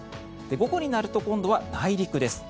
午後になると今度は内陸です。